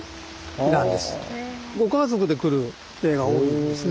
ご家族で来る例が多いんですね。